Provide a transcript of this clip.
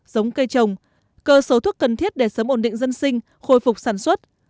giống cây trồng cơ số thuốc cần thiết để sớm ổn định dân sinh khôi phục sản xuất